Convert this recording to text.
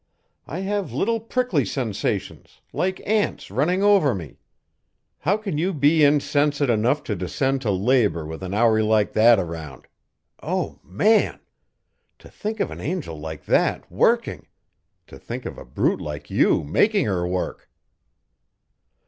I have little prickly sensations, like ants running over me. How can you be insensate enough to descend to labour with an houri like that around? Oh, man! To think of an angel like that WORKING to think of a brute like you making her work!"